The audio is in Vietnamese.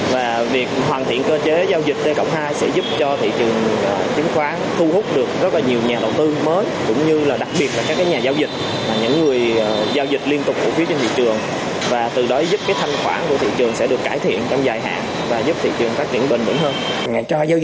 và việc hoàn thiện cơ chế giao dịch tây cộng hai sẽ giúp cho thị trường chứng khoán